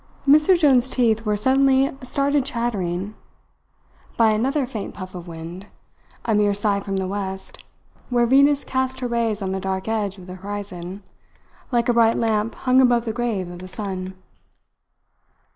Mr Jones's teeth were suddenly started chattering by another faint puff of wind, a mere sigh from the west, where Venus cast her rays on the dark edge of the horizon, like a bright lamp hung above the grave of the sun.